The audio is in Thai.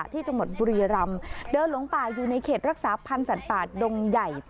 ที่จังหวัดบุรีรำเดินหลงป่าอยู่ในเขตรักษาพันธ์สัตว์ป่าดงใหญ่